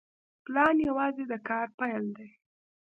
پلان یوازې د کار پیل دی